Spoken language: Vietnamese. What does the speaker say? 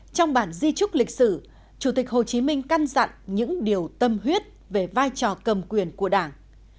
trong bản di trúc lịch sử chủ tịch hồ chí minh căn dặn những điều tâm huyết về vai trò cầm quyền của đảng